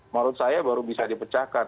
menurut saya baru bisa dipecahkan